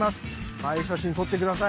映え写真撮ってください。